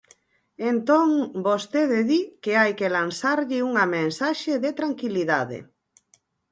Entón, vostede di que hai que lanzarlle unha mensaxe de tranquilidade.